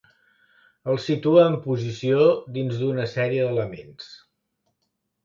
El situa en posició dins d'una sèrie d'elements.